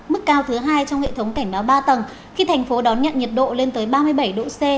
mức cao thứ hai trong hệ thống cảnh báo ba tầng khi thành phố đón nhận nhiệt độ lên tới ba mươi bảy độ c